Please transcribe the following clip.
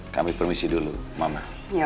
kami permisi dulu mama